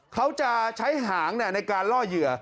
เขาจะใช้หางในการล่อเหยื่อ